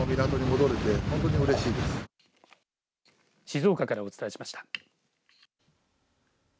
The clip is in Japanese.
静岡からお伝えしました。